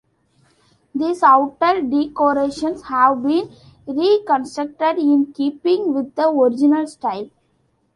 These outer decorations have been reconstructed in keeping with the original style.